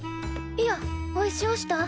いやおいしおした。